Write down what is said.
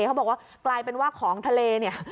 เขาบอกว่ากลายเป็นว่าของทะเลเนี่ย